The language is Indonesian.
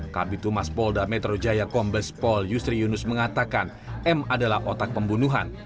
kabitumas polda metro jaya kombes pol yusri yunus mengatakan m adalah otak pembunuhan